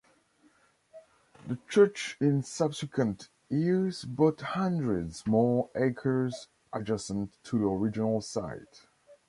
The church in subsequent years bought hundreds more acres adjacent to the original site.